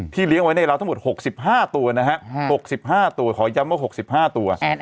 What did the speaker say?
เลี้ยงไว้ในเราทั้งหมด๖๕ตัวนะฮะ๖๕ตัวขอย้ำว่า๖๕ตัว